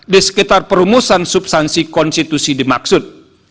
di sekitar perumusan substansi konstitusi dimaksud